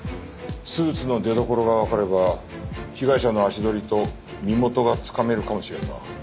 スーツの出どころがわかれば被害者の足取りと身元がつかめるかもしれんな。